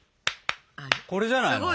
これじゃないの？